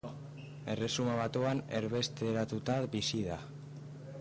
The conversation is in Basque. Erresuma Batuan erbesteratuta bizi da.